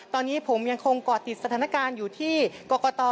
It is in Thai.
ตอนนี้ผมยังคงก่อติดสถานการณ์อยู่ที่กรกต